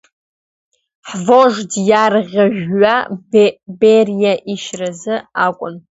Ҳвожд иарӷьажәҩа Бериа ишьразы акәын!